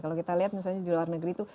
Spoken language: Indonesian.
kalau kita lihat misalnya di luar negeri itu